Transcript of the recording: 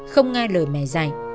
không nghe lời mẹ dạy